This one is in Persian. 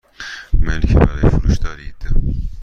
ملکی برای فروش دارید؟